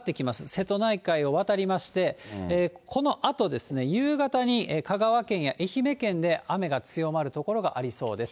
瀬戸内海を渡りまして、このあとですね、夕方に香川県や愛媛県で雨が強まる所がありそうです。